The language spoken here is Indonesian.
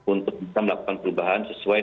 untuk melakukan perubahan sesuai